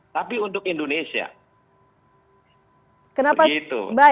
tapi untuk indonesia